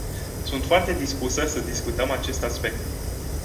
Sunt foarte dispusă să discutăm acest aspect.